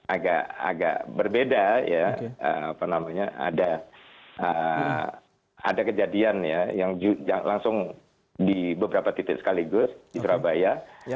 agak agak berbeda ya apa namanya ada kejadian ya yang langsung di beberapa titik sekaligus di surabaya